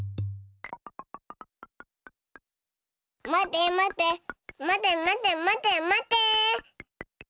まてまてまてまてまてまて。